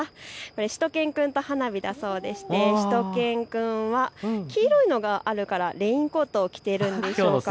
しゅと犬くんと花火だそうでしてしゅと犬くんは黄色いのがあるからレインコートを着ているんでしょうか。